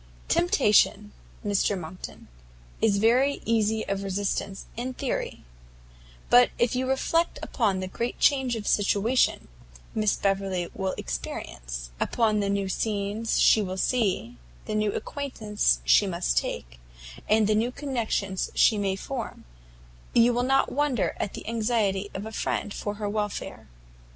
"Temptation," said Mr Monckton, "is very easy of resistance in theory; but if you reflect upon the great change of situation Miss Beverley will experience, upon the new scenes she will see, the new acquaintance she must make, and the new connections she may form, you will not wonder at the anxiety of a friend for her welfare."